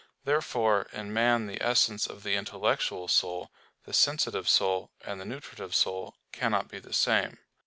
Therefore in man the essence of the intellectual soul, the sensitive soul, and the nutritive soul, cannot be the same.